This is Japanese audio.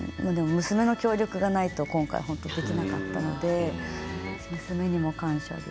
娘の協力がないと今回は本当にできなかったので娘にも感謝です。